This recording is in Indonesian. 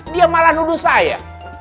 dia malah nuduh saya